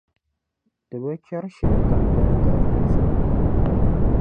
Di bi chɛri shɛli kam di ni gari di zuɣu.